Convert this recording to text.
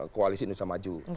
koalisi indonesia maju